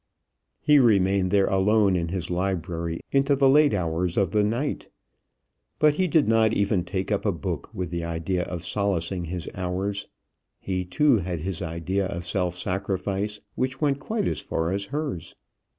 He remained there alone in his library into the late hours of the night. But he did not even take up a book with the idea of solacing his hours. He too had his idea of self sacrifice, which went quite as far as hers.